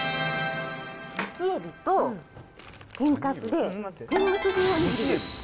むきエビと天かすで天むす風おにぎりです。